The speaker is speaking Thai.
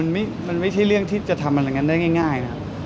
มันไม่ใช่เรื่องที่จะทำแบบนั้นน่ะได้ง่าย